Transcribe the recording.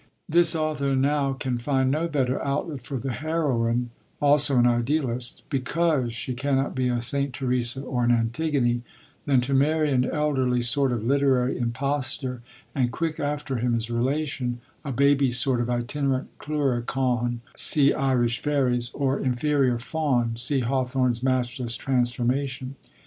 This author now can find no better outlet for the heroine also an Idealist because she cannot be a 'St. Teresa' or an 'Antigone,' than to marry an elderly sort of literary impostor, and, quick after him, his relation, a baby sort of itinerant Cluricaune (see Irish Fairies) or inferior Faun (see Hawthorne's matchless Transformation).